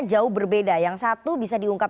jauh berbeda yang satu bisa diungkap